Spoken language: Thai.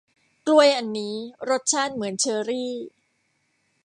กล้วยอันนี้รสชาติเหมือนเชอร์รี่